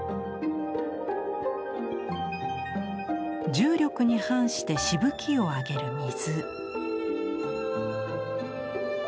重力に反してしぶきを上げる水。